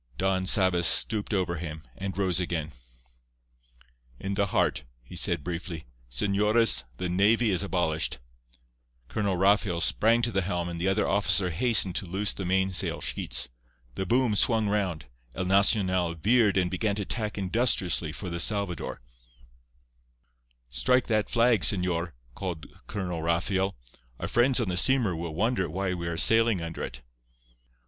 Don Sabas stooped over him, and rose again. "In the heart," he said briefly. "Señores, the navy is abolished." Colonel Rafael sprang to the helm, and the other officer hastened to loose the mainsail sheets. The boom swung round; El Nacional veered and began to tack industriously for the Salvador. "Strike that flag, señor," called Colonel Rafael. "Our friends on the steamer will wonder why we are sailing under it."